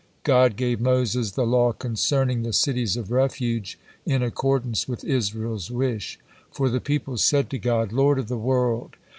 God gave Moses the law concerning the cities of refuge in accordance with Israel's wish. For the people said to God: "Lord of the world!